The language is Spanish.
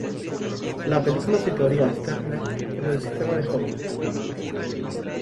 La película situaría a Sternberg en el sistema de Hollywood.